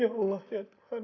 ya allah ya tuhan